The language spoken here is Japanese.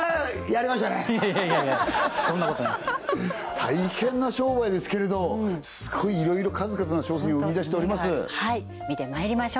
やりましたねいやいやいやいやそんなことない大変な商売ですけれどスゴいいろいろ数々の商品を生み出しております